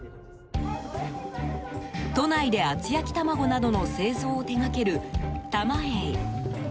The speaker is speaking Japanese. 都内で厚焼き玉子などの製造を手掛ける玉栄。